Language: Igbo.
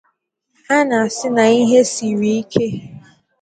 Ha na-asị na ihe siri ike